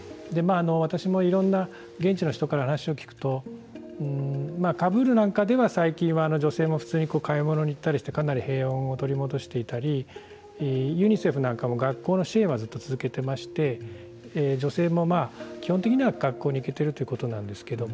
私もいろんな現地の人から話を聞くとカブールなんかでは最近は女性も普通に買い物に行ったりしてかなり平穏を取り戻していたりユニセフなんかも学校の支援はずっと続けていまして女性もまあ基本的には学校に行けているということなんですけども。